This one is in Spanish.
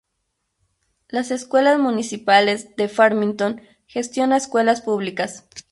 Las Escuelas Municipales de Farmington gestiona escuelas públicas.